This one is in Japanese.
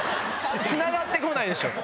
つながって来ないでしょ！